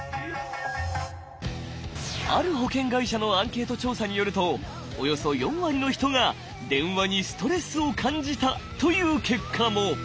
ある保険会社のアンケート調査によるとおよそ４割の人が「電話にストレスを感じた」という結果も。